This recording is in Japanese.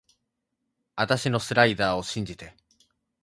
あたしのスライダーを信じて